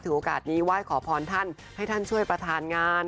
โอกาสนี้ไหว้ขอพรท่านให้ท่านช่วยประธานงาน